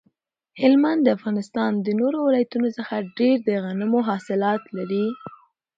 هلمند د افغانستان د نورو ولایتونو څخه ډیر د غنمو حاصلات لري